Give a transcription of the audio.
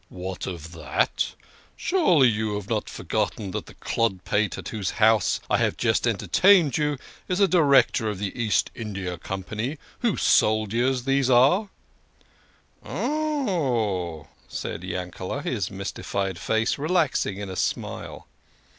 " What of that? Surely you have not forgotten that the THE KING OF SCHNORRERS. clodpate at whose house I have just entertained you is a Director of the East India Company, whose soldiers these are? " "'THERE GO MY SOLDIERS.'" "Oh," said Yankele, his mystified face relax ing in a smile.